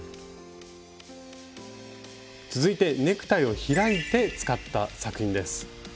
続いてネクタイを開いて使った作品です。